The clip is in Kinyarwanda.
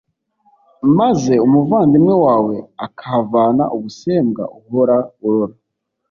maze umuvandimwe wawe akahavana ubusembwa uhora urora.